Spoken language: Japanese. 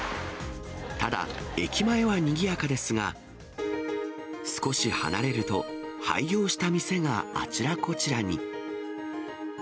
ただ、駅前はにぎやかですが、少し離れると、廃業した店があちらこちらに。